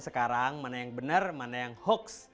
sekarang mana yang benar mana yang hoax